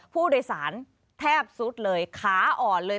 ผู้โดยสารแทบสุดเลยขาอ่อนเลย